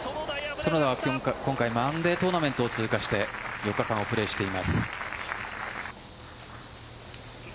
薗田は、マンデートーナメントを通過して４日間をプレーしています。